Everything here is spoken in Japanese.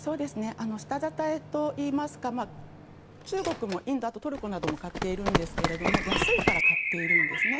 下支えといいますか中国、インド、あとトルコなども買っているんですが安いから買っているんですね。